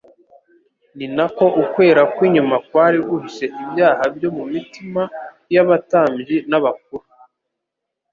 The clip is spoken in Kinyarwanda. ni nako ukwera kw'inyuma kwari guhishe ibyaha byo mu mitima y'abatambyi n'abakuru.